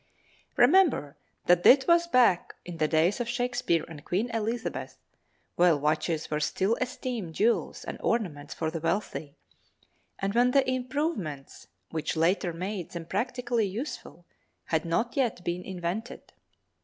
Remember that this was back in the days of Shakespeare and Queen Elizabeth, while watches were still esteemed jewels and ornaments for the wealthy, and when the improvements which later made them practically useful had not yet been invented.